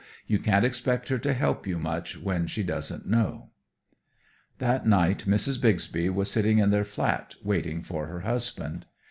You can't expect her to help you much when she doesn't know." That night Mrs. Bixby was sitting in their flat, waiting for her husband.